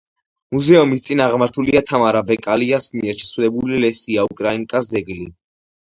მუზეუმის წინ აღმართულია თამარ აბაკელიას მიერ შესრულებული ლესია უკრაინკას ძეგლი.